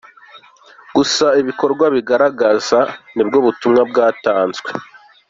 Gusa ibikorwa birigaragaza, nibwo butumwa bwatanzwe.”